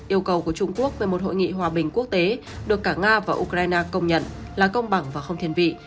yêu cầu của trung quốc về một hội nghị hòa bình quốc tế được cả nga và ukraine công nhận là công bằng và không thiên vị